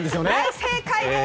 正解です！